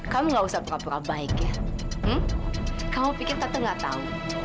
kamu gak usah perap perap baik ya kamu pikir tante gak tau